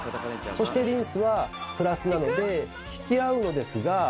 そしてリンスはプラスなので引き合うのですが。